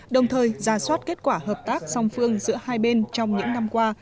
đồng thời ra soát kết quả hợp tác song phương giữa hai bên trong những năm qua